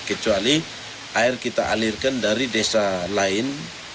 kecuali air kita alirkan dari desa lain